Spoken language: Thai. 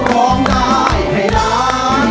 ร้องได้ให้ร้อง